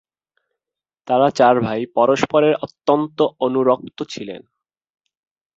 তারা চার ভাই পরস্পরের অত্যন্ত অনুরক্ত ছিলেন।